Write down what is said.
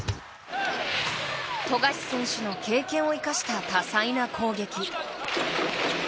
富樫選手の経験を生かした多彩な攻撃。